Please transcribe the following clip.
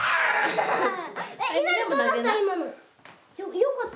よかった？